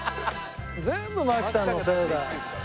全部槙さんのせいだ。